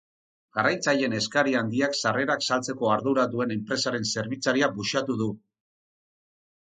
Jarraitzaileen eskari handiak sarrerak saltzeko ardura duen enpresaren zerbitzaria buxatu du.